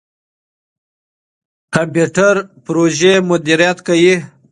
کمپيوټر پروژې مديريت کوي.